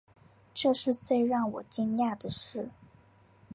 这是最让我惊讶的事